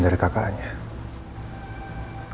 ntar sebelum yea macem macem